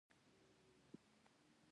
ډوډۍ شریکول هم منع وو.